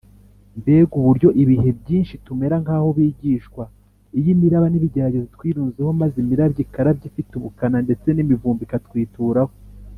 mbega uburyo ibihe byinshi tumera nk’abo bigishwa! iyo imiraba y’ibigeragezo itwirunzeho maze imirabyo ikarabya ifite ubukana, ndetse n’imivumba ikatwituraho,